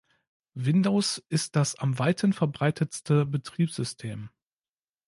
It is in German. Windows ist das am weiten verbreitetste Betriebssystem.